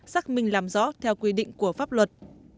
xác minh làm rõ theo quy định của pháp luật